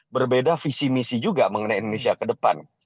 berbeda visi misi juga mengenai indonesia ke depan